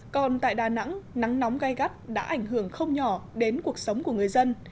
còn tại đà nẵng nắng nóng gai gắt đã ảnh hưởng không nhỏ đến cuộc sống của người dân